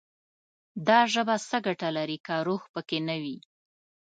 دا ژبه څه ګټه لري، که روح پکې نه وي»